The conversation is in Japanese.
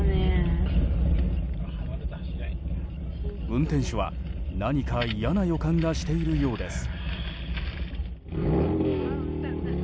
運転手は何か嫌な予感がしているようです。